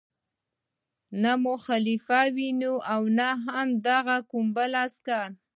نه مو خلیفه ویني او نه د هغه کوم عسکر.